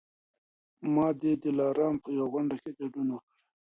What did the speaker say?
ما د دلارام په یوه غونډه کي ګډون وکړی